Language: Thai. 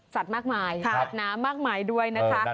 มากมายสัตว์น้ำมากมายด้วยนะคะ